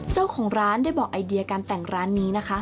เจ้าของร้านได้บอกไอเดียการแต่งร้านนี้นะคะ